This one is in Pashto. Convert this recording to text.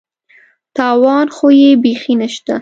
تاوان خو یې بېخي نشته.